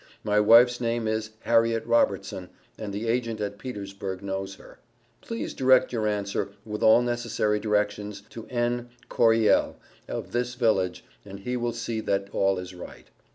My wife's name is Harriet Robertson, and the agent at Petersburg knows her. Please direct your answer, with all necessary directions, to N. Coryell, of this village, and he will see that all is right.